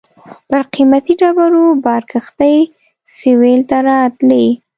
پر قیمتي ډبرو بار کښتۍ سېویل ته راتلې.